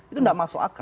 itu tidak masuk akal